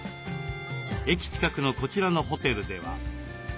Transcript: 駅近くのこちらのホテルでは。